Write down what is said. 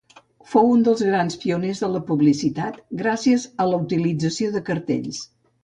Fou un dels grans pioners de la publicitat, gràcies a la utilització de cartells.